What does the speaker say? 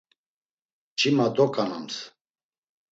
Mç̌ima doǩanams.